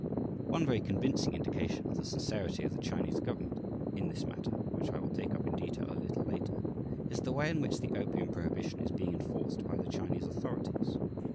One very convincing indication of the sincerity of the Chinese government in this matter, which I will take up in detail a little later, is the way in which the opium prohibition is being enforced by the Chinese authorities.